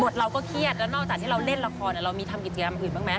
เราก็เครียดแล้วนอกจากที่เราเล่นละครเรามีทำกิจกรรมอื่นบ้างไหม